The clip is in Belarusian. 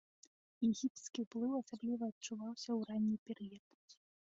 Егіпецкі ўплыў асабліва адчуваўся ў ранні перыяд.